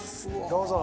どうぞ。